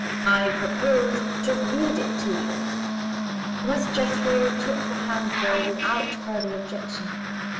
"I propose to read it to you." Miss Jethro took the Handbill without further objection.